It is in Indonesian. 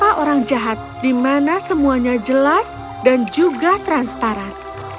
adalah orang jahat di mana semuanya jelas dan juga transparan